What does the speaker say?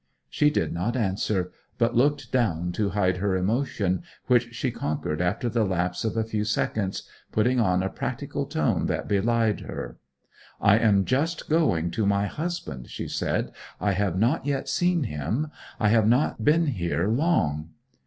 She did not answer; but looked down to hide her emotion, which she conquered after the lapse of a few seconds, putting on a practical tone that belied her. 'I am just going to my husband,' she said. 'I have not yet seen him. I have not been here long.'